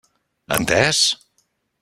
Entès?